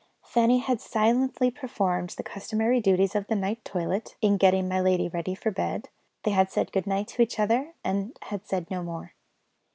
Fanny had silently performed the customary duties of the night toilet, in getting my lady ready for bed; they had said good night to each other and had said no more.